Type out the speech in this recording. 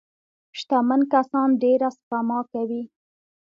شتمن کسان ډېره سپما کوي.